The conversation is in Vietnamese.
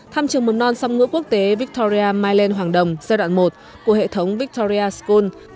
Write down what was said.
thăm trường mầm non song ngữ quốc tế victoria mai lên hoàng đồng giai đoạn một của hệ thống victoria school